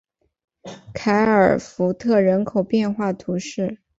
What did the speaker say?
凯尔福特人口变化图示